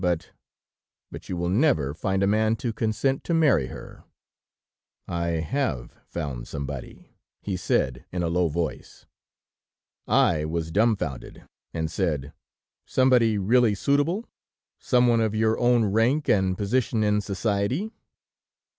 but ... but you will never find a man to consent to marry her.' "'I have found somebody,' he said in a low voice. "I was dumbfounded, and said: 'Somebody really suitable? ... Some one of your own rank and position in society?'